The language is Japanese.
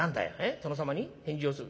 殿様に返事をする？